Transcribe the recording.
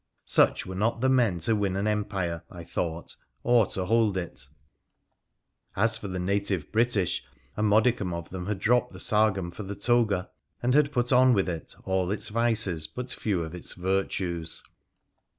Such were not the men to win an empire, I thought, or to hold it ! As for the native British, a modicum of them had dropped the sagum for the toga, and had put on with it all its vices but few of its virtues.